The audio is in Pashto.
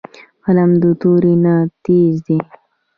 قلم د تورې نه تېز دی